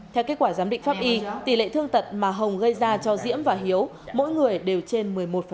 theo kết quả giám định pháp y tỷ lệ thương tật mà hồng gây ra cho diễm và hiếu mỗi người đều trên một mươi một